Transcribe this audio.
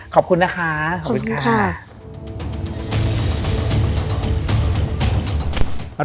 ขอบคุณนะคะขอบคุณค่ะขอบคุณค่ะขอบคุณค่ะ